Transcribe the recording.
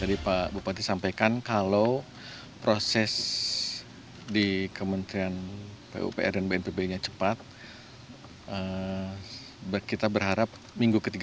jadi pak bupati sampaikan kalau proses di kementerian pupr dan bnpb nya cepat kita berharap minggu ketiga